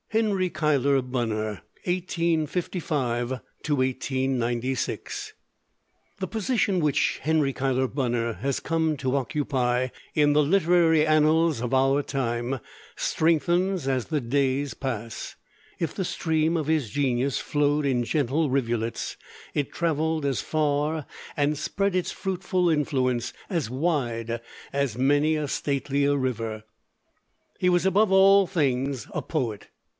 Cable Thomas Henry Hall Caine HENRY CUYLER BUNNER (1855 1896) The position which Henry Cuyler Bunner has come to occupy in the literary annals of our time strengthens as the days pass. If the stream of his genius flowed in gentle rivulets, it traveled as far and spread its fruitful influence as wide as many a statelier river. He was above all things a poet.